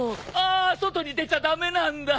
あ外に出ちゃ駄目なんだ！